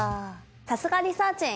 さすがリサーちん